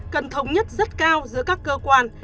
cần thống nhất rất cao giữa các cơ quan